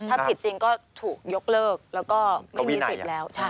ถ้าผิดจริงก็ถูกยกเลิกแล้วก็ไม่มีสิทธิ์แล้ว